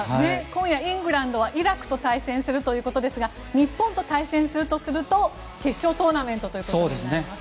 今夜、イングランドはイラクと対戦するということですが日本と対戦するとすると決勝トーナメントとなりますね。